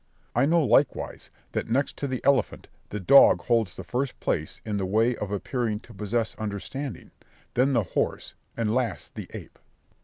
I know, likewise, that next to the elephant the dog holds the first place in the way of appearing to possess understanding, then the horse, and last the ape.